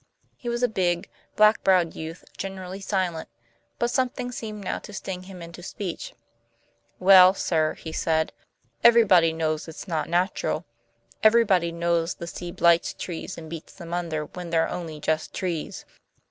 He was a big, black browed youth generally silent, but something seemed now to sting him into speech. "Well, sir," he said, "everybody knows it's not natural. Everybody knows the sea blights trees and beats them under, when they're only just trees.